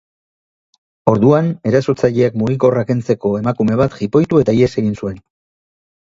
Orduan erasotzaileak mugikorra kentzeko emakume bat jipoitu eta ihes egin zuen.